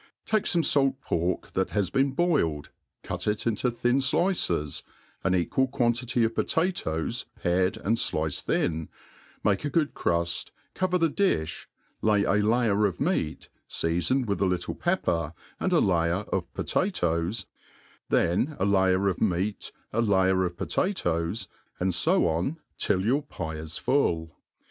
TA^E fome fait pork that has been boiled^ cut it into thin fiices, an eciual quantity Qf, potatoes^ pared and fliced thin, make a good cruft, cover the diih, lay a layer of meat, iea* fened with a little pepper, and a layer of potatoes; thea % layer of meat, a layer of potatoes, and fo on rill four pie is fHll.